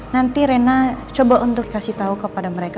nanti rena coba untuk kasih tahu kepada mereka